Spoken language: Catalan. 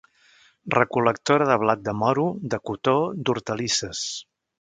Recol·lectora de blat de moro, de cotó, d'hortalisses.